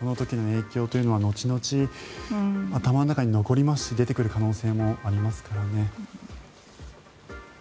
この時の影響というのは後々、頭の中に残りますし出てくる可能性もありますからね。